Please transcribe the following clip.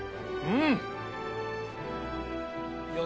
うん！